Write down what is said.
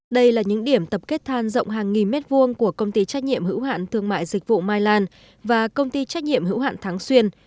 đây là những điểm tập kết than rộng hàng nghìn mét vuông của công ty trách nhiệm hữu hạn thương mại dịch vụ mai lan và công ty trách nhiệm hữu hạn tháng xuyên